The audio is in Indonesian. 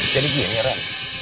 jadi gini ren